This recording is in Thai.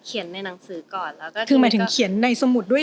ในหนังสือก่อนแล้วก็คือหมายถึงเขียนในสมุดด้วย